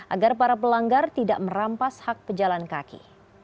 agar para pelanggar tidak merampas hak pejalan kaki